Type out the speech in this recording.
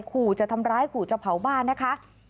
ขู่จะทำร้ายขู่จะเผาบ้านนะคะ